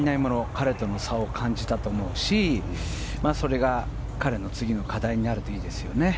彼との差を感じたと思いますしそれが、彼の次の課題になるといいですよね。